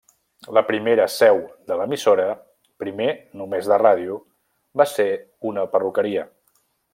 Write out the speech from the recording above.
La primera seu de l'emissora, primer només de ràdio, va ser una perruqueria.